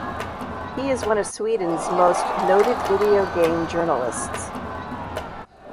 He is one of Sweden's most noted video game journalists.